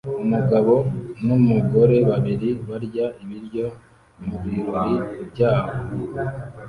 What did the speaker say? Umugabo numugore babiri barya ibiryo mubirori byaho